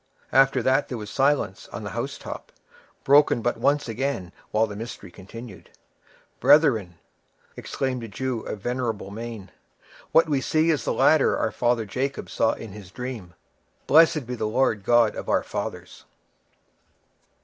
After that there was silence on the house top, broken but once again while the mystery continued. "Brethren!" exclaimed a Jew of venerable mien, "what we see is the ladder our father Jacob saw in his dream. Blessed be the Lord God of our fathers!"